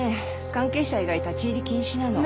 関係者以外立ち入り禁止なの。